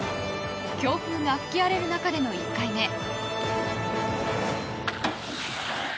強風が吹き荒れる中での１回目。